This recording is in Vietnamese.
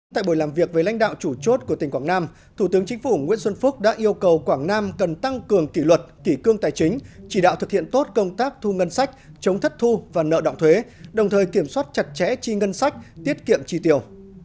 tại buổi làm việc với lãnh đạo chủ chốt của tỉnh quảng nam thủ tướng chính phủ nguyễn xuân phúc đã yêu cầu quảng nam cần tăng cường kỷ luật kỷ cương tài chính chỉ đạo thực hiện tốt công tác thu ngân sách chống thất thu và nợ động thuế đồng thời kiểm soát chặt chẽ chi ngân sách tiết kiệm chi tiêu